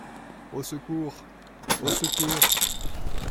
Au secours ! au secours !